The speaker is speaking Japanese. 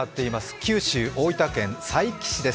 九州・大分県佐伯市です。